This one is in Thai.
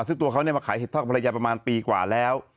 ซึ่งตัวเขามาขายเห็ดทอดกับภรรยาประมาณปีกว่าแล้ว